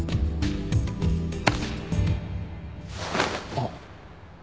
あっ！